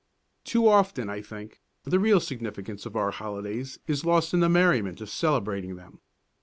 Too often, I think, the real significance of our holidays is lost in the merriment of celebrating them.